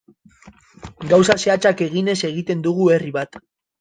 Gauza zehatzak eginez egiten dugu herri bat.